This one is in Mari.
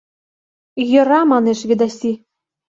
— Йӧра, — манеш Ведаси.